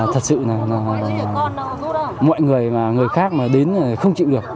thật sự là mọi người mà người khác mà đến là không chịu được